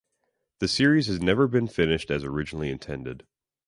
The series has never been finished as originally intended.